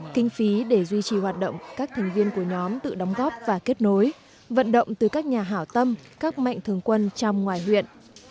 kinh phí để duy trì hoạt động các thành viên của nhóm tự đóng góp và kết nối vận động từ các nhà hảo tâm các mạnh thường quân trong ngoài huyện